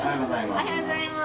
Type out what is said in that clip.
おはようございます。